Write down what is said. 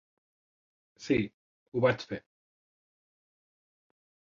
Sí, ho vaig fer.